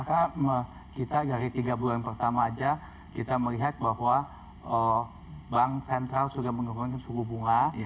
karena kita dari tiga bulan pertama saja kita melihat bahwa bank sentral sudah menurunkan suku bunga